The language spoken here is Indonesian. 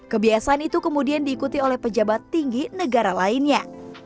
kebiasaan itu kemudian diikuti oleh pejabat tinggi negara lainnya